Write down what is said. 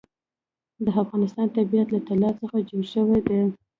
د افغانستان طبیعت له طلا څخه جوړ شوی دی.